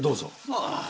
ああ。